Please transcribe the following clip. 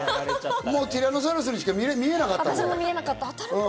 もうティラノサウルスにしか見えなかったもん。